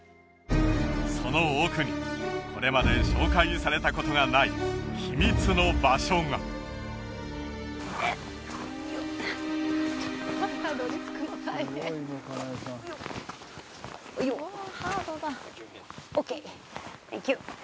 その奥にこれまで紹介されたことがない秘密の場所がよっよっ